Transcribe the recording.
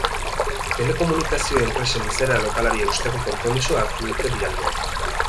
Telekomunikazio enpresen izaera lokalari eusteko konpromisoa hartu dute bi aldeek.